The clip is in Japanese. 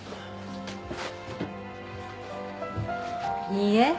いいえ。